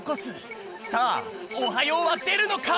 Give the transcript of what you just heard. さあ「おはよう」はでるのか？